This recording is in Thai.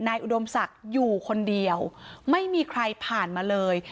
อุดมศักดิ์อยู่คนเดียวไม่มีใครผ่านมาเลย